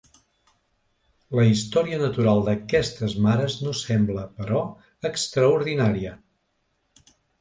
La història natural d’aquestes mares no sembla, però, extraordinària.